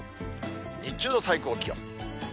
日中の最高気温。